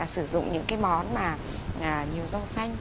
sử dụng những cái món mà nhiều rau xanh